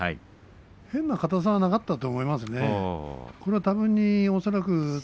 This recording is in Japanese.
変な硬さはなかったと思いますね。